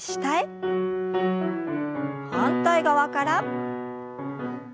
反対側から。